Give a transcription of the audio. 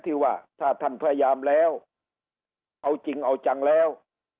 ที่ว่าถ้าท่านพยายามแล้วเอาจริงเอาจังแล้ว